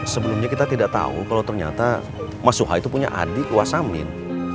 sebenernya kita tidak tahu kalau ternyata mas suha itu punya adik was samin